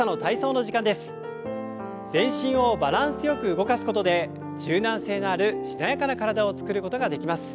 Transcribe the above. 全身をバランスよく動かすことで柔軟性があるしなやかな体を作ることができます。